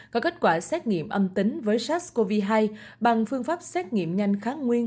có kết quả xét nghiệm âm tính với sars cov hai bằng phương pháp xét nghiệm nhanh kháng nguyên